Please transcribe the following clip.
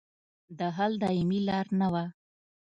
د حل دایمي لار نه وه.